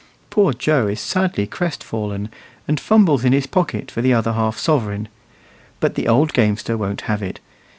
Poor Joe is sadly crestfallen, and fumbles in his pocket for the other half sovereign, but the old gamester won't have it.